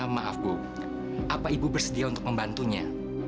maaf bu apa ibu bersedia untuk membantunya